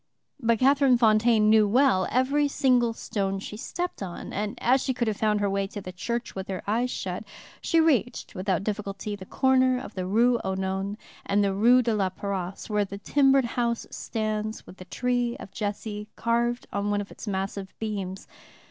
But Catherine Fontaine knew well every single stone she stepped on, and, as she could have found her way to the church with her eyes shut, she reached without difficulty the corner of the Rue aux Nonnes and the Rue de la Paroisse, where the timbered house stands with the tree of Jesse carved on one of its massive beams.